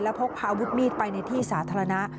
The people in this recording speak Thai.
และพกพาบุกมีดไปในที่สาธารณะ